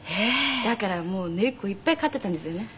だからもう猫いっぱい飼っていたんですよね。